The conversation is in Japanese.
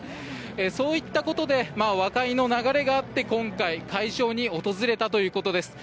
そういったことで和解の流れがあって、今回会場に訪れたということです。